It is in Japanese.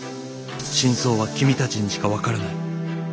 「真相は君たちにしかわからない」。